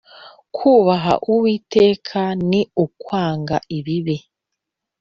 Kubaha Uwiteka ni ukwanga ibibi,